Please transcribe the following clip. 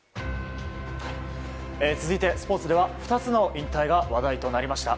続いて、スポーツでは２つの引退が話題となりました。